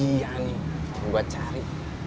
ini dia nih yang gua cari